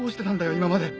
今まで。